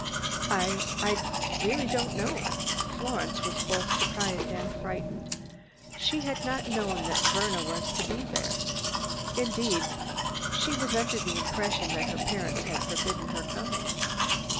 "I—I really don't know." Florence was both surprised and frightened. She had not known that Verna was to be there. Indeed she was under the impression that her parents had forbidden her coming.